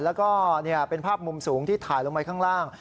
แล้วก็เป็นภาพมุมสูงที่ถ่ายลงไปข้างล่าง